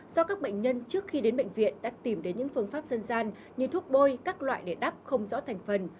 do các bệnh nhân trước khi đến bệnh viện đã tìm đến những phương pháp dân gian như thuốc bôi các loại để đắp không rõ thành phần